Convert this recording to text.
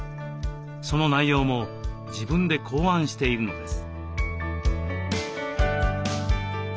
その内容も自分で考案しているのです。